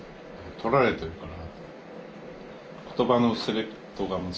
撮られてるから？